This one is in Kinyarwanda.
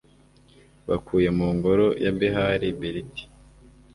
bakuye mu ngoro ya behali beriti